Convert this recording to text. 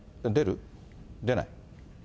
出る？出ない？